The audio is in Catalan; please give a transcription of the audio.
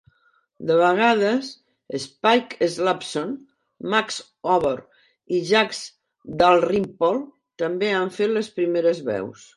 De vegades, Spike Slawson, Max Huber i Jack Dalrymple també han fet les primeres veus.